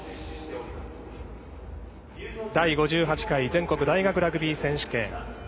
第５８回全国大学ラグビー選手権。